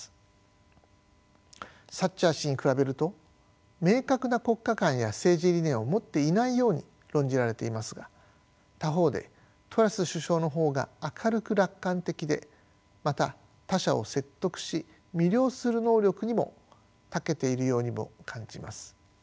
サッチャー氏に比べると明確な国家観や政治理念を持っていないように論じられていますが他方でトラス首相の方が明るく楽観的でまた他者を説得し魅了する能力にもたけているようにも感じます。